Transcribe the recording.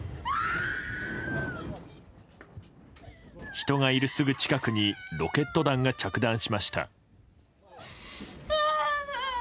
人がいるすぐ近くにロケット弾が着弾しました。